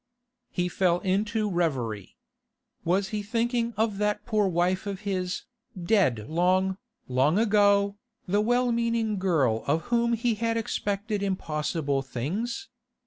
He fell into reverie. Was he thinking of that poor wife of his, dead long, long ago, the well meaning girl of whom he had expected impossible things?